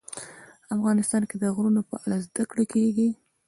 افغانستان کې د غرونه په اړه زده کړه کېږي.